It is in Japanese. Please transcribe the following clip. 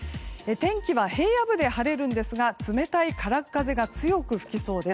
天気は平野部で晴れるんですが冷たい空っ風が強く吹きそうです。